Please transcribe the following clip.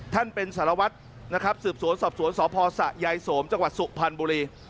ท่านเป็นสารวัตรนะครับสืบสวนสอบสวนสพสะยายโสมจังหวัดสุพรรณบุรี